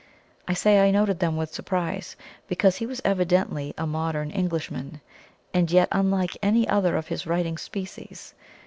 I say I noted them with surprise, because he was evidently a modern Englishman, and yet unlike any other of his writing species.